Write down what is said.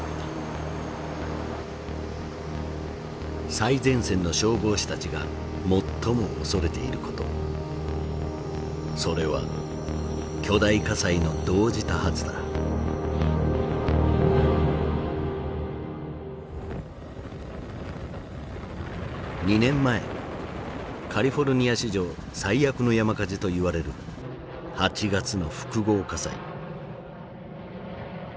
最前線の消防士たちが最も恐れていることそれは２年前カリフォルニア史上最悪の山火事といわれる８月の複合火災。